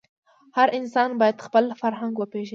هر انسان باید خپل فرهنګ وپېژني.